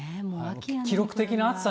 記録的な暑さに。